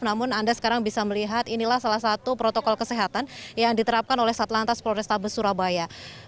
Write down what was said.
namun anda sekarang bisa melihat inilah salah satu protokol kesehatan yang diterapkan oleh satlantas polrestabes surabaya